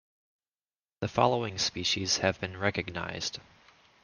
The following species have been recognized.